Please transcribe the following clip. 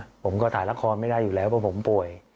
ก็เลยต้องมาไลฟ์ขายของแบบนี้เดี๋ยวดูบรรยากาศกันหน่อยนะคะ